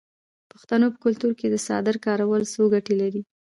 د پښتنو په کلتور کې د څادر کارول څو ګټې لري.